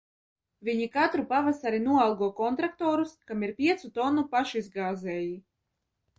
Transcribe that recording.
Viņi katru pavasari noalgo kontraktorus, kam ir piecu tonnu pašizgāzēji.